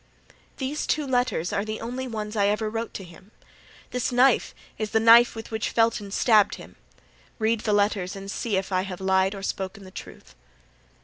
"These two letters are the only ones I ever wrote to him. This knife is the knife with which Felton stabbed him. Read the letters and see if I have lied or spoken the truth."